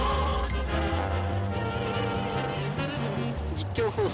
「実況放送。